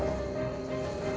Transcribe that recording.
kalau kamu tidak mau jujur